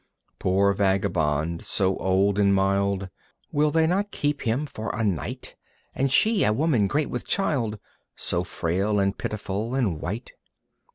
III Poor vagabond, so old and mild, Will they not keep him for a night? And She, a woman great with child, So frail and pitiful and white.